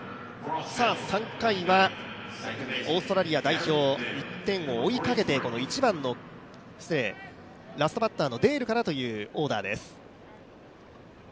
３回はオーストラリア代表、１点を追いかけてラストバッターのデールからというオーダーです。